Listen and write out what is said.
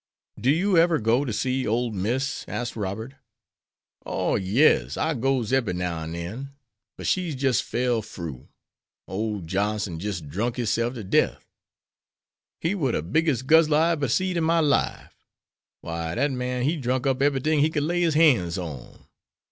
"Do you ever go to see old Miss?" asked Robert. "Oh, yes; I goes ebery now and den. But she's jis' fell froo. Ole Johnson jis' drunk hisself to death. He war de biggest guzzler I eber seed in my life. Why, dat man he drunk up ebery thing he could lay his han's on.